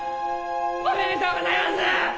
おめでとうございます！